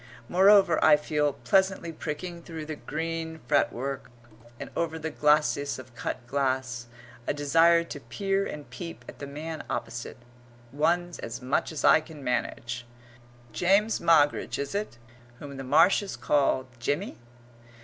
Moreover, I feel, pleasantly pricking through the green fretwork and over the glacis of cut glass, a desire to peer and peep at the man opposite one's as much as I can manage. James Moggridge is it, whom the Marshes call Jimmy?